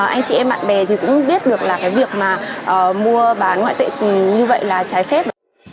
anh chị em bạn bè thì cũng biết được là cái việc mà mua bán ngoại tệ như vậy là trái phép